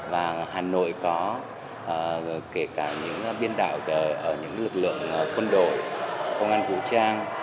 và hà nội có kể cả những biên đạo ở những lực lượng quân đội công an vũ trang